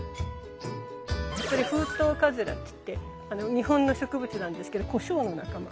これフウトウカズラっていって日本の植物なんですけどコショウの仲間。